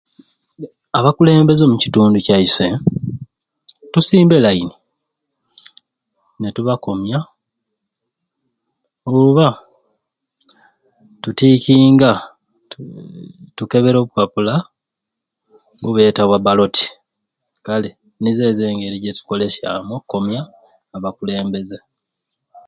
Abakulembeze omukitundu kyaiswe tusimba elaini nitubakomya oba tutikinga tuuu tukebera obupapula bubeeta obwa baloti kale nizo engeri zetukolesyamu okukomya abakulembeze.